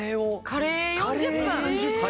カレーで４０分？